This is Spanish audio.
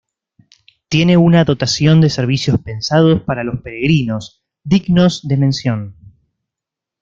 Tiene una dotación de servicios pensados para los peregrinos, dignos de mención.